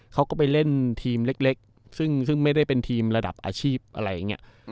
เขาก็ไปเล่นทีมเล็กซึ่งไม่ได้เป็นทีมระดับอาชีพอะไรอย่างนี้